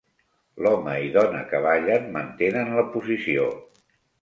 L'home i dona que ballen mantenen la posició.